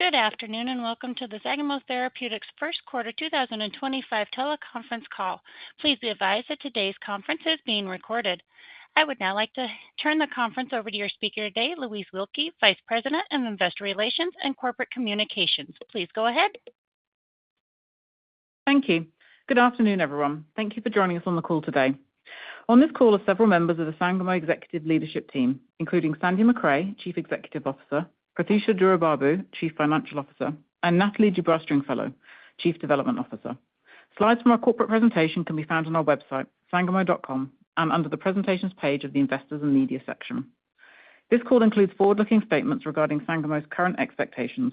Good afternoon and welcome to the Sangamo Therapeutics First Quarter 2025 teleconference call. Please be advised that today's conference is being recorded. I would now like to turn the conference over to your speaker today, Louise Wilkie, Vice President of Investor Relations and Corporate Communications. Please go ahead. Thank you. Good afternoon, everyone. Thank you for joining us on the call today. On this call are several members of the Sangamo Executive Leadership Team, including Sandy Macrae, Chief Executive Officer, Prathyusha Duraibabu, Chief Financial Officer, and Nathalie Dubois-Stringfellow, Chief Development Officer. Slides from our corporate presentation can be found on our website, sangamo.com, and under the presentations page of the Investors and Media section. This call includes forward-looking statements regarding Sangamo's current expectations.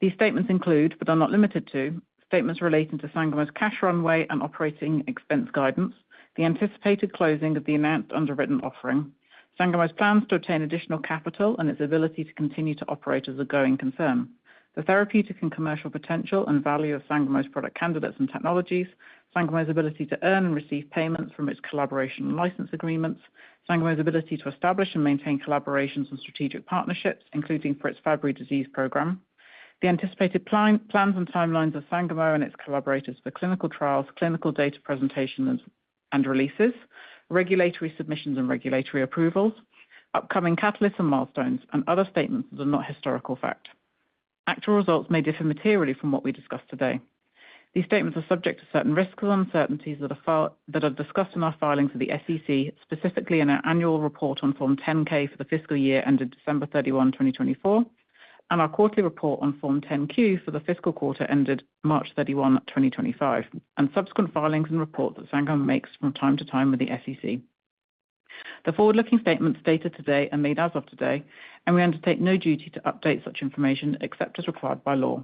These statements include, but are not limited to, statements relating to Sangamo's cash runway and operating expense guidance, the anticipated closing of the announced underwritten offering, Sangamo's plans to obtain additional capital, and its ability to continue to operate as a going concern, the therapeutic and commercial potential and value of Sangamo's product candidates and technologies, Sangamo's ability to earn and receive payments from its collaboration and license agreements, Sangamo's ability to establish and maintain collaborations and strategic partnerships, including for its Fabry disease program, the anticipated plans and timelines of Sangamo and its collaborators for clinical trials, clinical data presentation and releases, regulatory submissions and regulatory approvals, upcoming catalysts and milestones, and other statements that are not historical fact. Actual results may differ materially from what we discuss today. These statements are subject to certain risks and uncertainties that are discussed in our filings for the SEC, specifically in our annual report on Form 10-K for the fiscal year ended December 31, 2024, and our quarterly report on Form 10-Q for the fiscal quarter ended March 31, 2025, and subsequent filings and reports that Sangamo makes from time to time with the SEC. The forward-looking statements dated today are made as of today, and we undertake no duty to update such information except as required by law.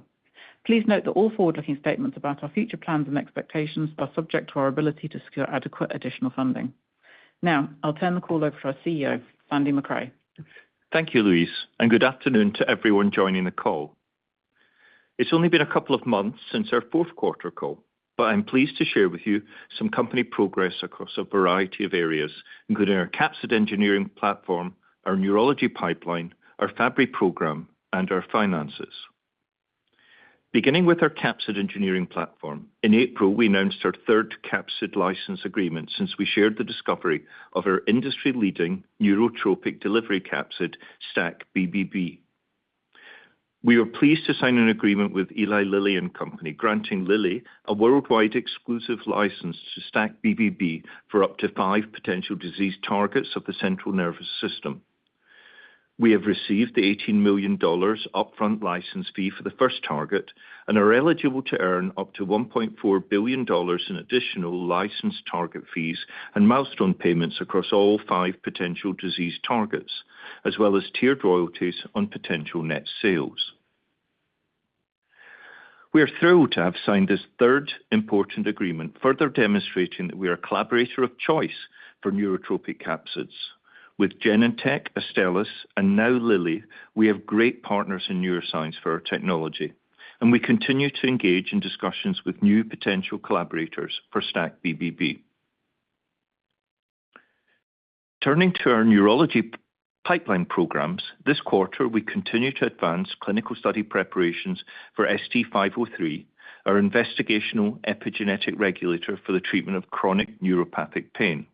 Please note that all forward-looking statements about our future plans and expectations are subject to our ability to secure adequate additional funding. Now, I'll turn the call over to our CEO, Sandy Macrae. Thank you, Louise, and good afternoon to everyone joining the call. It's only been a couple of months since our fourth quarter call, but I'm pleased to share with you some company progress across a variety of areas, including our capsid engineering platform, our neurology pipeline, our Fabry program, and our finances. Beginning with our capsid engineering platform, in April we announced our third capsid license agreement since we shared the discovery of our industry-leading neurotropic delivery capsid STAC-BBB. We were pleased to sign an agreement with Eli Lilly and Company, granting Lilly a worldwide exclusive license to STAC-BBB for up to five potential disease targets of the central nervous system. We have received the $18 million upfront license fee for the first target and are eligible to earn up to $1.4 billion in additional license target fees and milestone payments across all five potential disease targets, as well as tiered royalties on potential net sales. We are thrilled to have signed this third important agreement, further demonstrating that we are a collaborator of choice for neurotropic capsids. With Genentech, Astellas, and now Lilly, we have great partners in neuroscience for our technology, and we continue to engage in discussions with new potential collaborators for STAC-BBB. Turning to our neurology pipeline programs, this quarter we continue to advance clinical study preparations for ST-503, our investigational epigenetic regulator for the treatment of chronic neuropathic pain.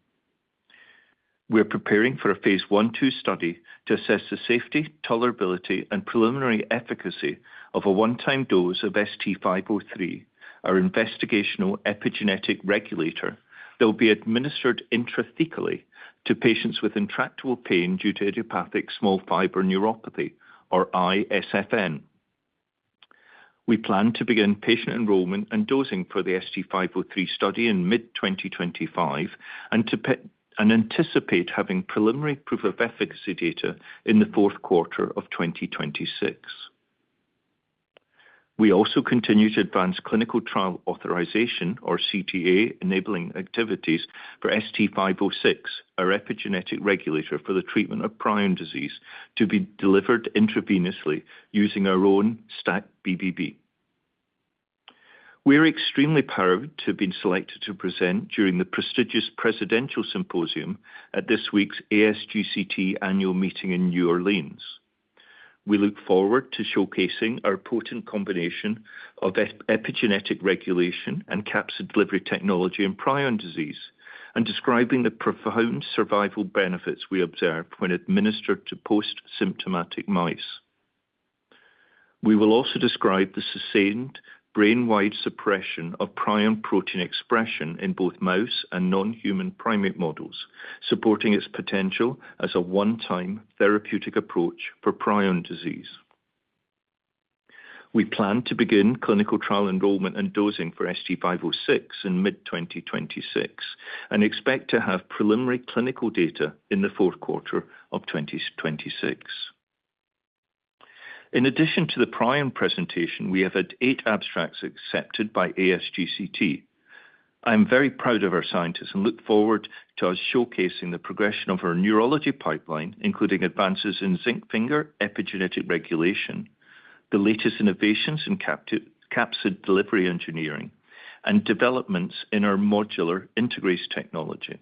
We're preparing for a Phase 1/2 study to assess the safety, tolerability, and preliminary efficacy of a one-time dose of ST-503, our investigational epigenetic regulator that will be administered intrathecally to patients with intractable pain due to idiopathic small fiber neuropathy, or ISFN. We plan to begin patient enrollment and dosing for the ST-503 study in mid-2025 and anticipate having preliminary proof of efficacy data in the fourth quarter of 2026. We also continue to advance clinical trial authorization, or CTA, enabling activities for ST-506, our epigenetic regulator for the treatment of prion disease, to be delivered intravenously using our own STAC-BBB. We are extremely proud to have been selected to present during the prestigious Presidential Symposium at this week's ASGCT Annual Meeting in New Orleans. We look forward to showcasing our potent combination of epigenetic regulation and capsid delivery technology in prion disease and describing the profound survival benefits we observed when administered to post-symptomatic mice. We will also describe the sustained brain-wide suppression of prion protein expression in both mouse and non-human primate models, supporting its potential as a one-time therapeutic approach for prion disease. We plan to begin clinical trial enrollment and dosing for ST-506 in mid-2026 and expect to have preliminary clinical data in the fourth quarter of 2026. In addition to the prion presentation, we have had eight abstracts accepted by ASGCT. I am very proud of our scientists and look forward to us showcasing the progression of our neurology pipeline, including advances in zinc finger epigenetic regulation, the latest innovations in capsid delivery engineering, and developments in our modular integrase technology.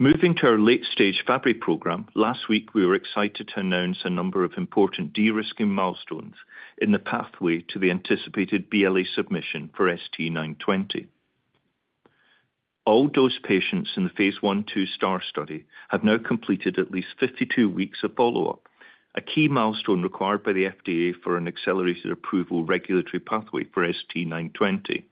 Moving to our late-stage Fabry program, last week we were excited to announce a number of important de-risking milestones in the pathway to the anticipated BLA submission for ST-920. All dosed patients in the phase 1/2 STAAR study have now completed at least 52 weeks of follow-up, a key milestone required by the FDA for an accelerated approval regulatory pathway for ST-920.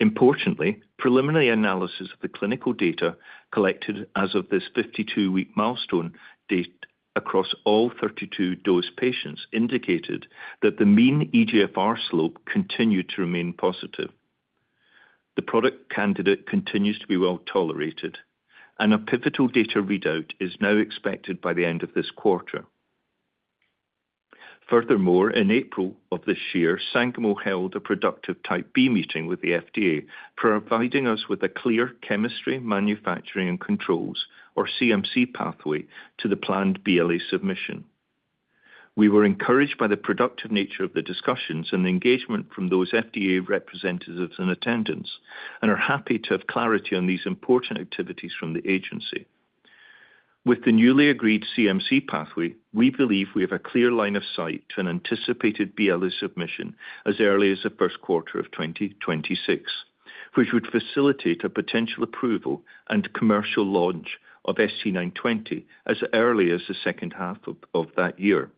Importantly, preliminary analysis of the clinical data collected as of this 52-week milestone date across all 32 dosed patients indicated that the mean STAC-BBB slope continued to remain positive. The product candidate continues to be well tolerated, and a pivotal data readout is now expected by the end of this quarter. Furthermore, in April of this year, Sangamo held a productive Type B meeting with the FDA, providing us with a clear chemistry, manufacturing, and controls, or CMC, pathway to the planned BLA submission. We were encouraged by the productive nature of the discussions and the engagement from those FDA representatives in attendance and are happy to have clarity on these important activities from the agency. With the newly agreed CMC pathway, we believe we have a clear line of sight to an anticipated BLA submission as early as the first quarter of 2026, which would facilitate a potential approval and commercial launch of ST-920 as early as the second half of that year.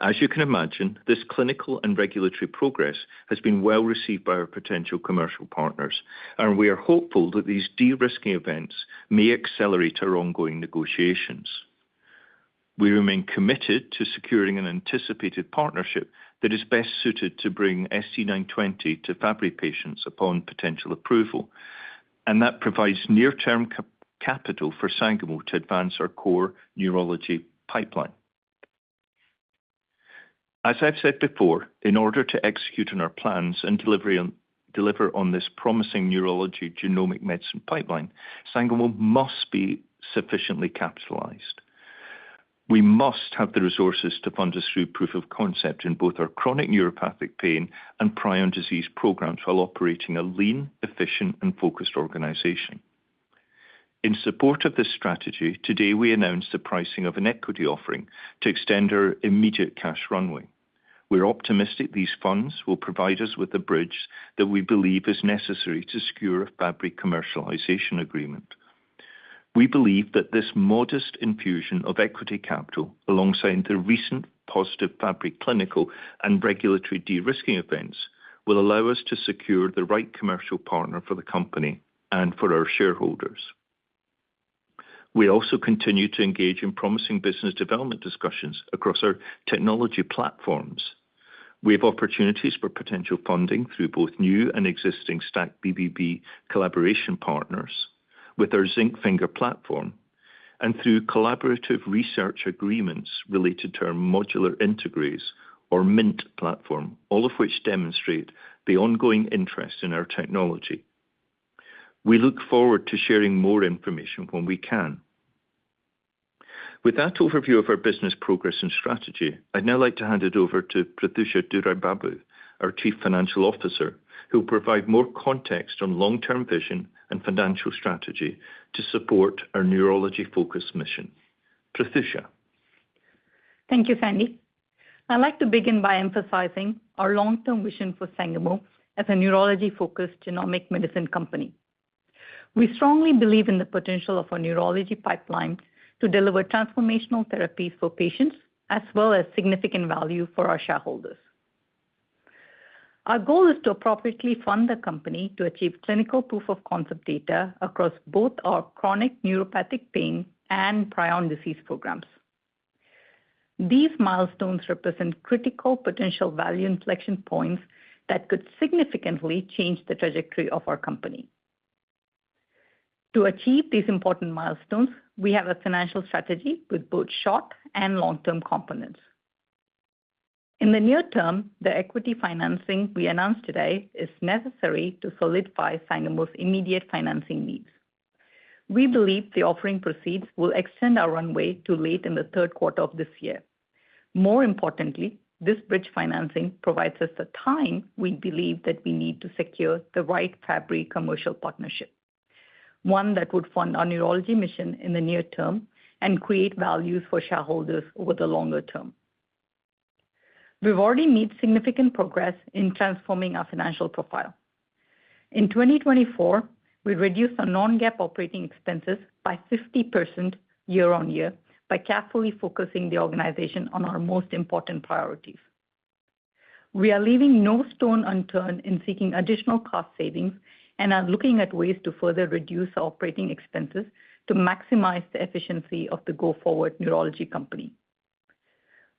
As you can imagine, this clinical and regulatory progress has been well received by our potential commercial partners, and we are hopeful that these de-risking events may accelerate our ongoing negotiations. We remain committed to securing an anticipated partnership that is best suited to bring ST-920 to Fabry patients upon potential approval, and that provides near-term capital for Sangamo to advance our core neurology pipeline. As I've said before, in order to execute on our plans and deliver on this promising neurology genomic medicine pipeline, Sangamo must be sufficiently capitalized. We must have the resources to fund a through-proof of concept in both our chronic neuropathic pain and prion disease programs while operating a lean, efficient, and focused organization. In support of this strategy, today we announced the pricing of an equity offering to extend our immediate cash runway. We're optimistic these funds will provide us with the bridge that we believe is necessary to secure a Fabry commercialization agreement. We believe that this modest infusion of equity capital, alongside the recent positive Fabry clinical and regulatory de-risking events, will allow us to secure the right commercial partner for the company and for our shareholders. We also continue to engage in promising business development discussions across our technology platforms. We have opportunities for potential funding through both new and existing STAC-BBB collaboration partners with our zinc finger platform and through collaborative research agreements related to our modular integrase, or MINT, platform, all of which demonstrate the ongoing interest in our technology. We look forward to sharing more information when we can. With that overview of our business progress and strategy, I'd now like to hand it over to Prathyusha Duraibabu, our Chief Financial Officer, who will provide more context on long-term vision and financial strategy to support our neurology-focused mission. Prathyusha. Thank you, Sandy. I'd like to begin by emphasizing our long-term vision for Sangamo as a neurology-focused genomic medicine company. We strongly believe in the potential of our neurology pipeline to deliver transformational therapies for patients, as well as significant value for our shareholders. Our goal is to appropriately fund the company to achieve clinical proof of concept data across both our chronic neuropathic pain and prion disease programs. These milestones represent critical potential value inflection points that could significantly change the trajectory of our company. To achieve these important milestones, we have a financial strategy with both short and long-term components. In the near term, the equity financing we announced today is necessary to solidify Sangamo's immediate financing needs. We believe the offering proceeds will extend our runway to late in the third quarter of this year. More importantly, this bridge financing provides us the time we believe that we need to secure the right Fabry commercial partnership, one that would fund our neurology mission in the near term and create values for shareholders over the longer term. We've already made significant progress in transforming our financial profile. In 2024, we reduced our non-GAAP operating expenses by 50% year-on-year by carefully focusing the organization on our most important priorities. We are leaving no stone unturned in seeking additional cost savings and are looking at ways to further reduce our operating expenses to maximize the efficiency of the go-forward neurology company.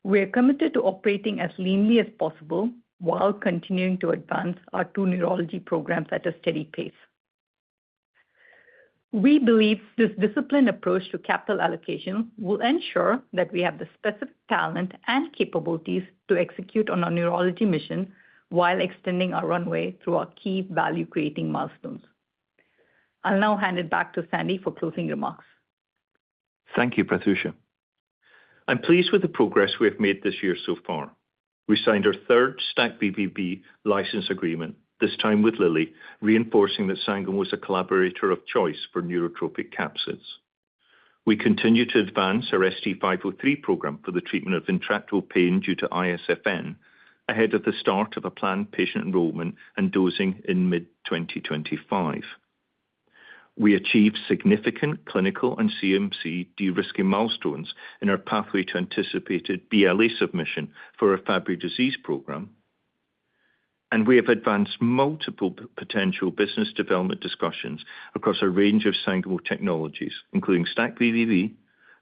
We are committed to operating as leanly as possible while continuing to advance our two neurology programs at a steady pace. We believe this disciplined approach to capital allocation will ensure that we have the specific talent and capabilities to execute on our neurology mission while extending our runway through our key value-creating milestones. I'll now hand it back to Sandy for closing remarks. Thank you, Prathyusha. I'm pleased with the progress we have made this year so far. We signed our third STAC-BBB license agreement, this time with Lilly, reinforcing that Sangamo is a collaborator of choice for neurotropic capsids. We continue to advance our ST-503 program for the treatment of intractable pain due to ISFN ahead of the start of a planned patient enrollment and dosing in mid-2025. We achieved significant clinical and CMC de-risking milestones in our pathway to anticipated BLA submission for our Fabry disease program, and we have advanced multiple potential business development discussions across a range of Sangamo technologies, including STAC-BBB,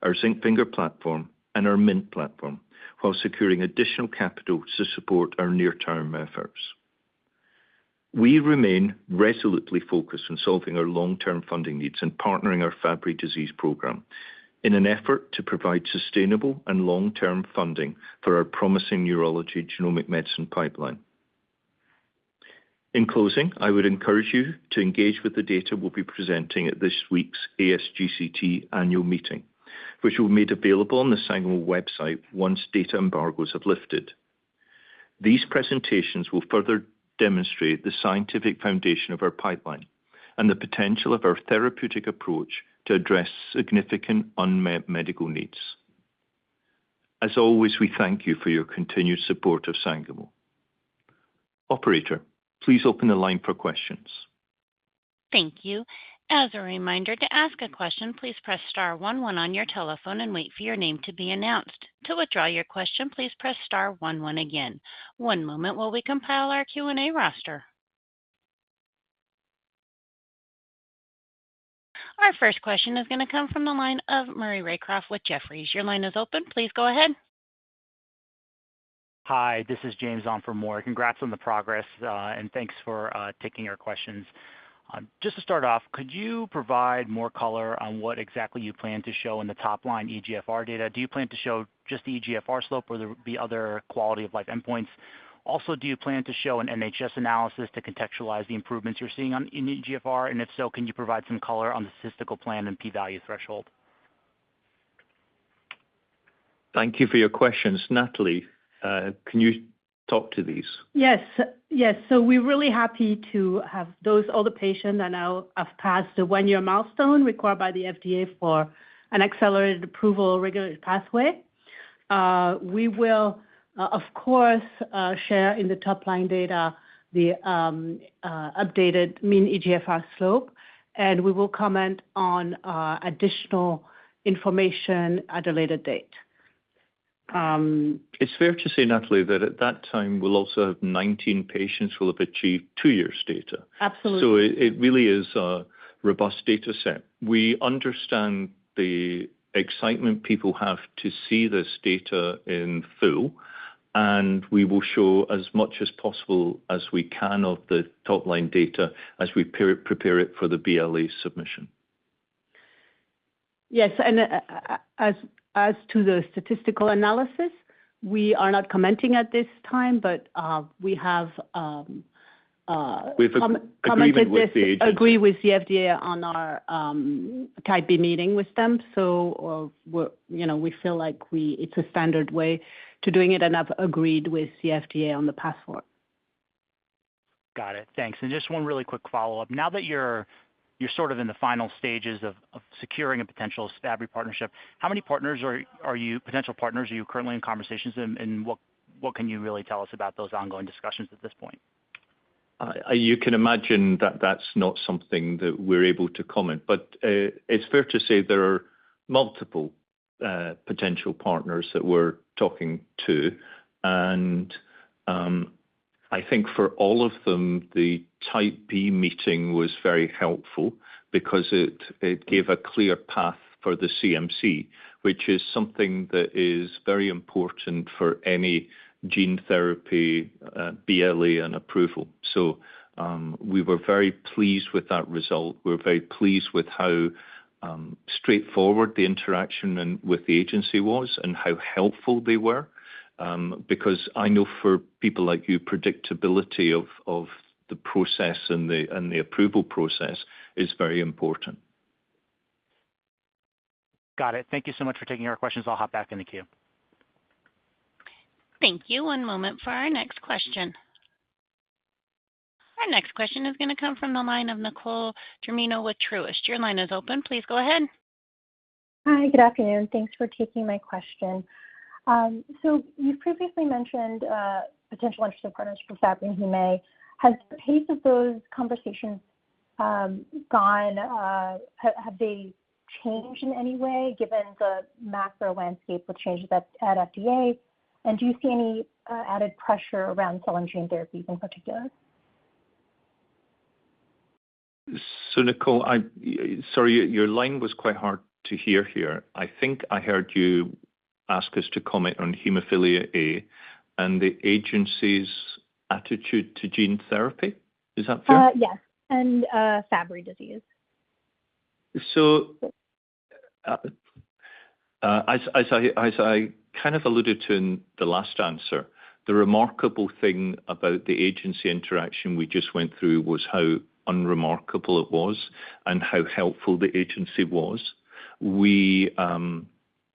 our zinc finger platform, and our MINT platform, while securing additional capital to support our near-term efforts. We remain resolutely focused on solving our long-term funding needs and partnering our Fabry disease program in an effort to provide sustainable and long-term funding for our promising neurology genomic medicine pipeline. In closing, I would encourage you to engage with the data we'll be presenting at this week's ASGCT annual meeting, which will be made available on the Sangamo website once data embargoes have lifted. These presentations will further demonstrate the scientific foundation of our pipeline and the potential of our therapeutic approach to address significant unmet medical needs. As always, we thank you for your continued support of Sangamo. Operator, please open the line for questions. Thank you. As a reminder, to ask a question, please press star one one on your telephone and wait for your name to be announced. To withdraw your question, please press star 11 again. One moment while we compile our Q&A roster. Our first question is going to come from the line of Maury Raycroft with Jefferies. Your line is open. Please go ahead. Hi, this is James on for Maury. Congrats on the progress, and thanks for taking our questions. Just to start off, could you provide more color on what exactly you plan to show in the top line eGFR data? Do you plan to show just the eGFR slope, or will there be other quality-of-life endpoints? Also, do you plan to show an NHS analysis to contextualize the improvements you're seeing in eGFR? If so, can you provide some color on the statistical plan and p-value threshold? Thank you for your questions. Nathalie, can you talk to these? Yes. Yes. We are really happy to have those other patients that now have passed the one-year milestone required by the FDA for an accelerated approval regulatory pathway. We will, of course, share in the top line data the updated mean eGFR slope, and we will comment on additional information at a later date. It's fair to say, Nathalie, that at that time, we'll also have 19 patients who will have achieved two years' data. Absolutely. It really is a robust data set. We understand the excitement people have to see this data in full, and we will show as much as possible as we can of the top line data as we prepare it for the BLA submission. Yes. As to the statistical analysis, we are not commenting at this time, but we have agreed with the FDA on our Type B meeting with them. We feel like it's a standard way to doing it, and I've agreed with the FDA on the path forward. Got it. Thanks. Just one really quick follow-up. Now that you're sort of in the final stages of securing a potential Fabry partnership, how many potential partners are you currently in conversations, and what can you really tell us about those ongoing discussions at this point? You can imagine that that's not something that we're able to comment, but it's fair to say there are multiple potential partners that we're talking to. I think for all of them, the Type B meeting was very helpful because it gave a clear path for the CMC, which is something that is very important for any gene therapy BLA and approval. We were very pleased with that result. We're very pleased with how straightforward the interaction with the agency was and how helpful they were because I know for people like you, predictability of the process and the approval process is very important. Got it. Thank you so much for taking our questions. I'll hop back in the queue. Thank you. One moment for our next question. Our next question is going to come from the line of Nicole Germino with Truist. Your line is open. Please go ahead. Hi. Good afternoon. Thanks for taking my question. You previously mentioned potential interested partners for Fabry in Hume. Has the pace of those conversations gone -- have they changed in any way given the macro landscape with changes at FDA? Do you see any added pressure around cell and gene therapies in particular? Nicole, sorry, your line was quite hard to hear here. I think I heard you ask us to comment on hemophilia A and the agency's attitude to gene therapy. Is that fair? Yes. Fabry disease. As I kind of alluded to in the last answer, the remarkable thing about the agency interaction we just went through was how unremarkable it was and how helpful the agency was.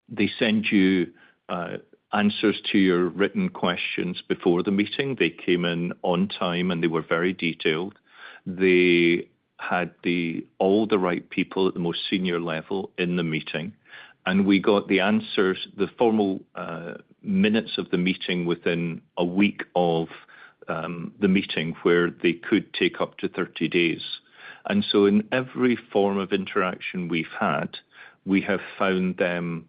They sent you answers to your written questions before the meeting. They came in on time, and they were very detailed. They had all the right people at the most senior level in the meeting, and we got the answers, the formal minutes of the meeting within a week of the meeting where they could take up to 30 days. And so in every form of interaction we've had, we have found them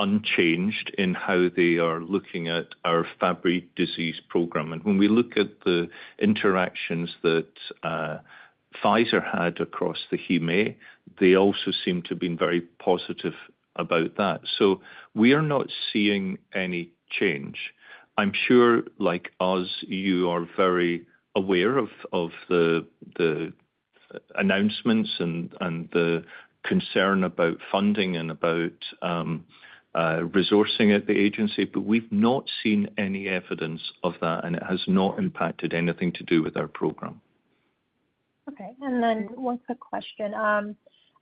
unchanged in how they are looking at our Fabry disease program. When we look at the interactions that Pfizer had across the hume, they also seem to have been very positive about that. We are not seeing any change. I'm sure, like us, you are very aware of the announcements and the concern about funding and about resourcing at the agency, but we've not seen any evidence of that, and it has not impacted anything to do with our program. Okay. And then one quick question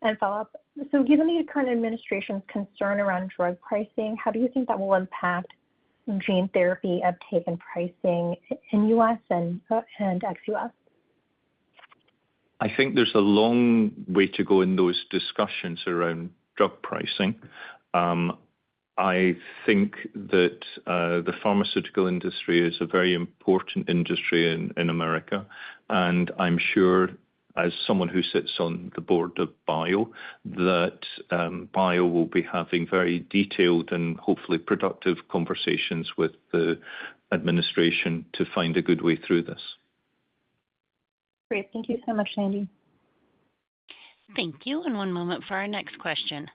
and follow-up. Given the current administration's concern around drug pricing, how do you think that will impact gene therapy uptake and pricing in the U.S. and ex-U.S.? I think there's a long way to go in those discussions around drug pricing. I think that the pharmaceutical industry is a very important industry in America, and I'm sure, as someone who sits on the board of BIO, that BIO will be having very detailed and hopefully productive conversations with the administration to find a good way through this. Great. Thank you so much, Sandy. Thank you. One moment for our next question.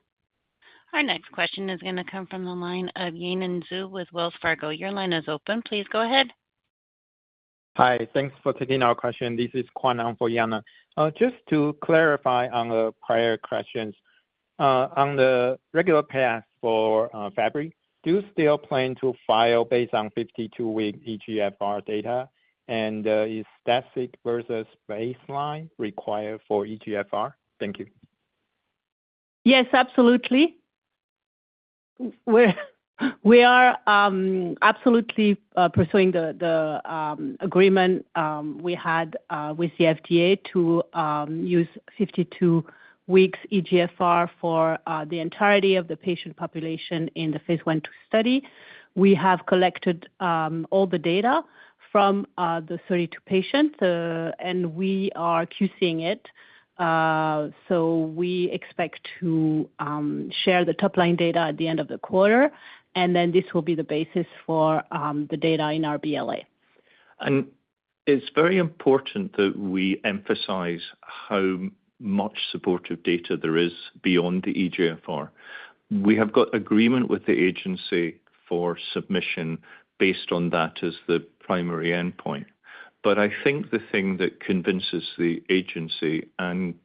Our next question is going to come from the line of Yanan Zhu with Wells Fargo. Your line is open. Please go ahead. Hi. Thanks for taking our question. This is Quanong for Yan Zhu. Just to clarify on the prior questions, on the regular path for Fabry, do you still plan to file based on 52-week eGFR data, and is static versus baseline required for eGFR? Thank you. Yes, absolutely. We are absolutely pursuing the agreement we had with the FDA to use 52-weeks eGFR for the entirety of the patient population in the phase one study. We have collected all the data from the 32 patients, and we are QCing it. We expect to share the top line data at the end of the quarter, and then this will be the basis for the data in our BLA. It is very important that we emphasize how much supportive data there is beyond the eGFR. We have got agreement with the agency for submission based on that as the primary endpoint. I think the thing that convinces the agency and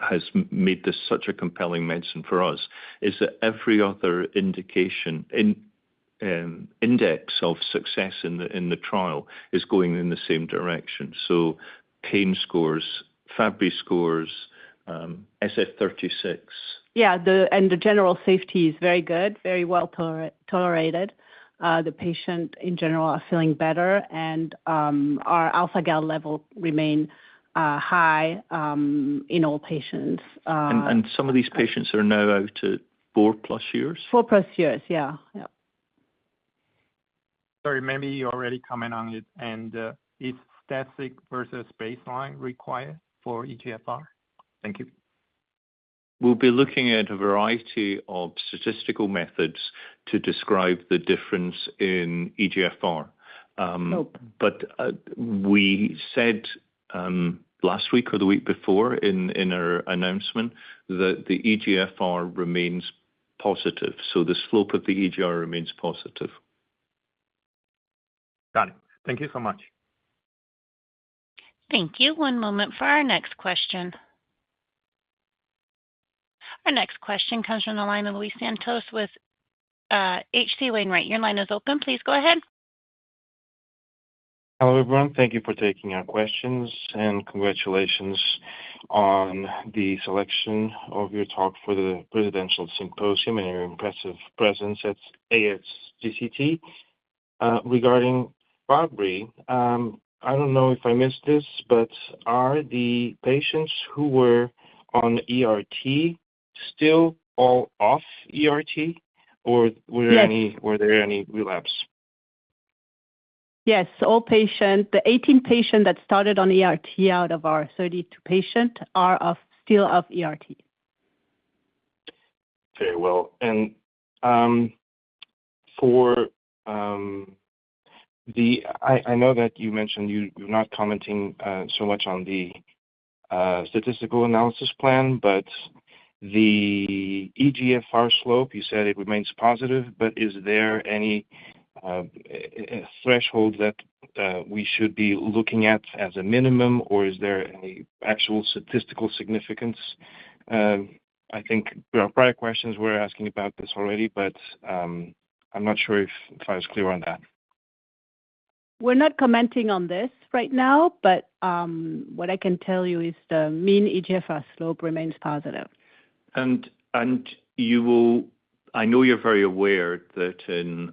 has made this such a compelling medicine for us is that every other index of success in the trial is going in the same direction. So, CANE scores, Fabry scores, SF-36. Yeah. The general safety is very good, very well tolerated. The patients, in general, are feeling better, and our alpha-gal level remains high in all patients. Some of these patients are now out at four plus years. Four plus years. Yeah. Yeah. Sorry, maybe you already comment on it and is static versus baseline required for eGFR? Thank you. We'll be looking at a variety of statistical methods to describe the difference in eGFR. We said last week or the week before in our announcement that the eGFR remains positive. The slope of the eGFR remains positive. Got it. Thank you so much. Thank you. One moment for our next question. Our next question comes from the line of Luis Santos with H.C. Wainwright. Your line is open. Please go ahead. Hello everyone. Thank you for taking our questions, and congratulations on the selection of your talk for the Presidential Symposium and your impressive presence at ASGCT. Regarding Fabry, I don't know if I missed this, but are the patients who were on ERT still all off ERT, or were there any relapse? Yes. The 18 patients that started on ERT out of our 32 patients are still off ERT. Very well. For the—I know that you mentioned you're not commenting so much on the statistical analysis plan, but the eGFR slope, you said it remains positive, but is there any threshold that we should be looking at as a minimum, or is there any actual statistical significance? I think our prior questions were asking about this already, but I'm not sure if I was clear on that. We're not commenting on this right now, but what I can tell you is the mean eGFR slope remains positive. I know you're very aware that in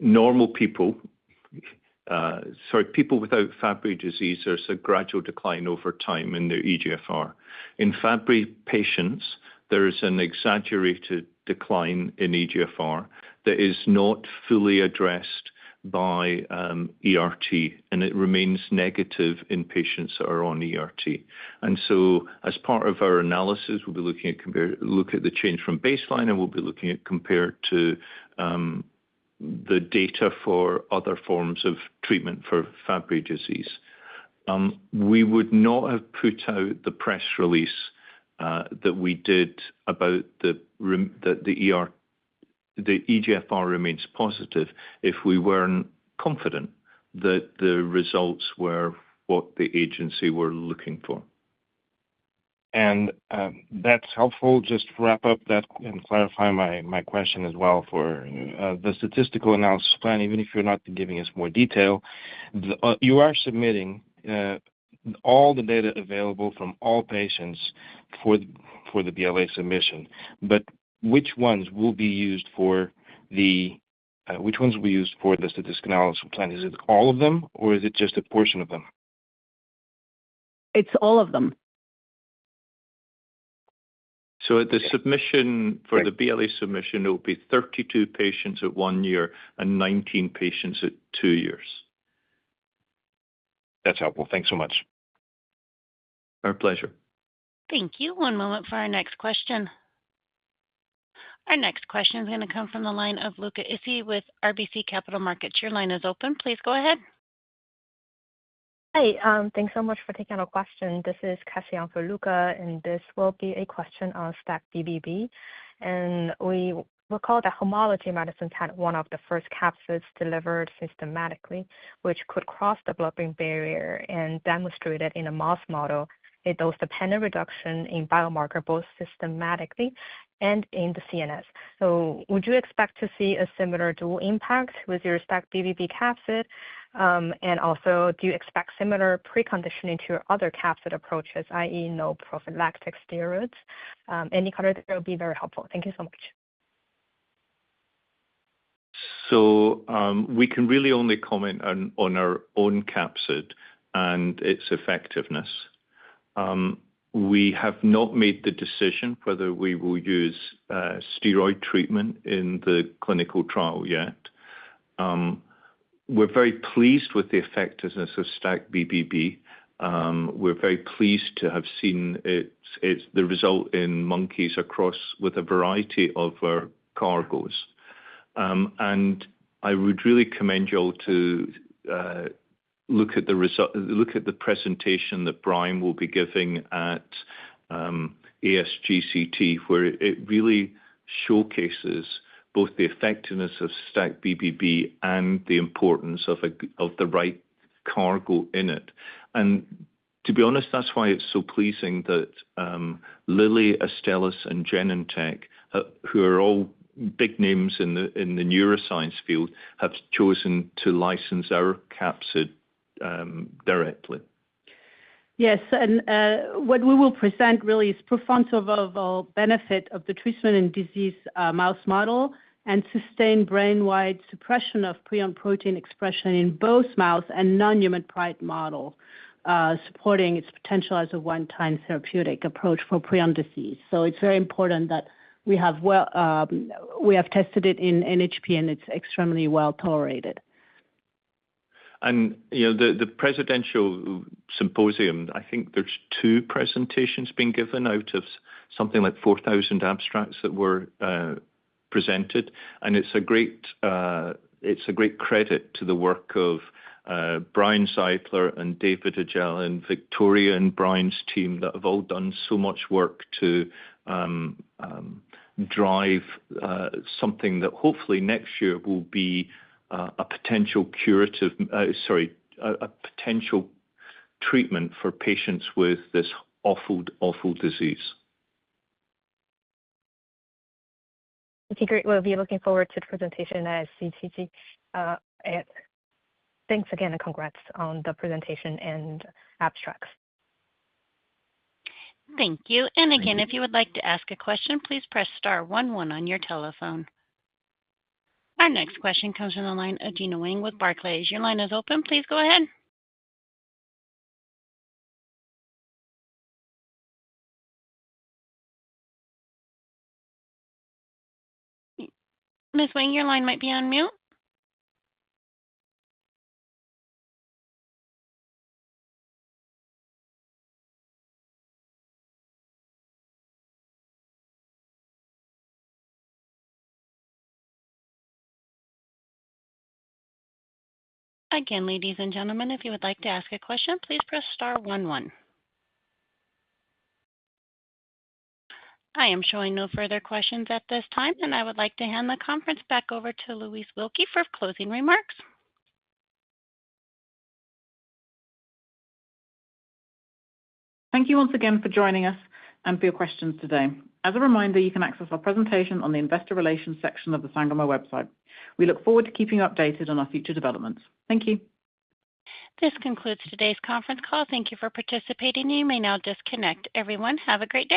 normal people—sorry, people without Fabry disease—there's a gradual decline over time in their eGFR. In Fabry patients, there is an exaggerated decline in eGFR that is not fully addressed by ERT, and it remains negative in patients that are on ERT. As part of our analysis, we'll be looking at the change from baseline, and we'll be looking at compare to the data for other forms of treatment for Fabry disease. We would not have put out the press release that we did about the eGFR remains positive if we weren't confident that the results were what the agency were looking for. That's helpful. Just to wrap up that and clarify my question as well, for the statistical analysis plan, even if you're not giving us more detail, you are submitting all the data available from all patients for the BLA submission. Which ones will be used for the statistical analysis plan? Is it all of them, or is it just a portion of them? It's all of them. At the submission for the BLA submission, it will be 32 patients at one year and 19 patients at two years. That's helpful. Thanks so much. Our pleasure. Thank you. One moment for our next question. Our next question is going to come from the line of Luca Issi with RBC Capital Markets. Your line is open. Please go ahead. Hi. Thanks so much for taking our question. This is Cassian for Luca, and this will be a question on STAC-BBB. We recall that Homology Medicines had one of the first capsids delivered systemically, which could cross the blood-brain barrier and demonstrated in a mouse model a dose-dependent reduction in biomarker both systemically and in the CNS. Would you expect to see a similar dual impact with your STAC-BBB capsid? Do you expect similar preconditioning to your other capsid approaches, i.e., no prophylactic steroids? Any comment there will be very helpful. Thank you so much. We can really only comment on our own capsid and its effectiveness. We have not made the decision whether we will use steroid treatment in the clinical trial yet. We're very pleased with the effectiveness of STAC-BBB. We're very pleased to have seen the result in monkeys across a variety of cargoes. I would really commend y'all to look at the presentation that eGFR will be giving at ASGCT, where it really showcases both the effectiveness of STAC-BBB and the importance of the right cargo in it. To be honest, that's why it's so pleasing that Lilly, Astellas, and Genentech, who are all big names in the neuroscience field, have chosen to license our capsid directly. Yes. What we will present really is prophylactic benefit of the treatment in disease mouse model and sustained brain-wide suppression of prion protein expression in both mouse and non-human primate model, supporting its potential as a one-time therapeutic approach for prion disease. It is very important that we have tested it in NHP, and it is extremely well tolerated. The Presidential Symposium, I think there's two presentations being given out of something like 4,000 abstracts that were presented. It's a great credit to the work of Bryan Zeitler and David Ojala and Victoria and Bryan's team that have all done so much work to drive something that hopefully next year will be a potential curative—sorry, a potential treatment for patients with this awful, awful disease. Okay. Great. We'll be looking forward to the presentation at ASGCT. Thanks again and congrats on the presentation and abstracts. Thank you. If you would like to ask a question, please press star one one on your telephone. Our next question comes from the line of Gena Wang with Barclays. Your line is open. Please go ahead. Ms. Wang, your line might be on mute. Again, ladies and gentlemen, if you would like to ask a question, please press star one one. I am showing no further questions at this time, and I would like to hand the conference back over to Louise Wilkie for closing remarks. Thank you once again for joining us and for your questions today. As a reminder, you can access our presentation on the investor relations section of the Sangamo website. We look forward to keeping you updated on our future developments. Thank you. This concludes today's conference call. Thank you for participating. You may now disconnect. Everyone, have a great day.